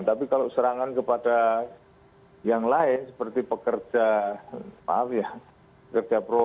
tapi kalau serangan kepada yang lain seperti pekerja maaf ya pekerja pro